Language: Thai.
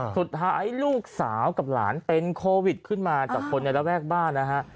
สุดท้ายลูกสาวกับหลานเป็นโควิดขึ้นมาจากคนในระแวกบ้านนะฮะ